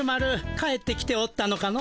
帰ってきておったのかの。